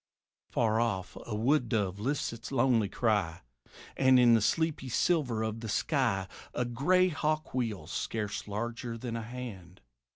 Far off a wood dove lifts its lonely cry; And in the sleepy silver of the sky A gray hawk wheels scarce larger than a hand.